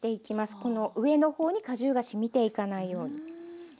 この上の方に果汁がしみていかないように。